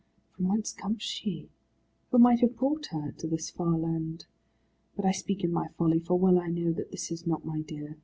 From whence comes she; who might have brought her to this far land? But I speak in my folly, for well I know that this is not my dear.